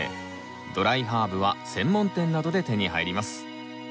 ドライハーブは専門店などで手に入ります。